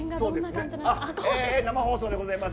生放送でございます。